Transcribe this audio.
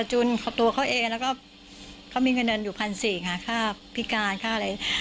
จุนตัวเขาเองแล้วก็เขามีเงินเดือนอยู่๑๔๐๐ค่ะค่าพิการค่าอะไร